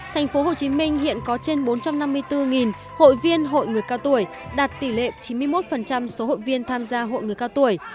tp hcm hiện có trên bốn trăm năm mươi bốn hội viên hội người cao tuổi đạt tỷ lệ chín mươi một số hội viên tham gia hội người cao tuổi